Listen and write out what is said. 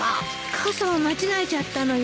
傘を間違えちゃったのよ。